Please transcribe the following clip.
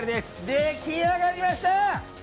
出来上がりました。